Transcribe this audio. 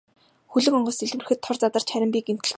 Хөлөг онгоц дэлбэрэхэд тор задарч харин би гэмтэлгүй ниссэн.